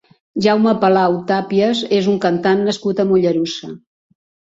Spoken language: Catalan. Jaume Palau Tapies és un cantant nascut a Mollerussa.